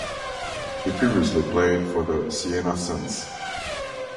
He previously played for the Siena Saints.